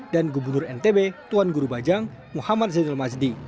dan gubernur ntb tuan guru bajang muhammad zainul mazdi